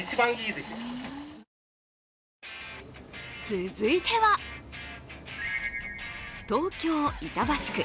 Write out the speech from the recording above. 続いては東京・板橋区。